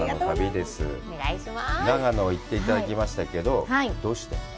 長野に行っていただきましたけど、どうして？